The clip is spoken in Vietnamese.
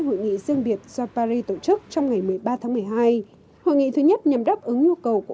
hội nghị riêng biệt do paris tổ chức trong ngày một mươi ba tháng một mươi hai hội nghị thứ nhất nhằm đáp ứng nhu cầu của